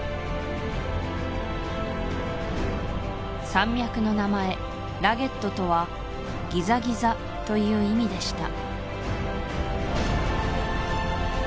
山脈の名前「ラゲッド」とは「ギザギザ」という意味でした